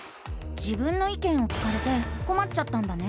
「自分の意見」を聞かれてこまっちゃったんだね？